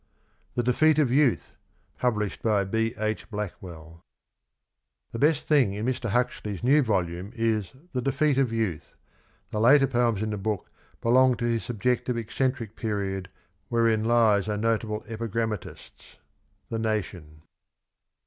THE DEFEAT OF YOUTH. Published by B. H. Blackwell. " The best thing in Mr. Huxley's new volume is ...' The Defeat of Youth.' The later poems in the book belong to his subjective eccentric period wherein ... lies are notable epigrammatists." — The Nation.